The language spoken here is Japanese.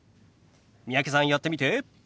三宅さんやってみて。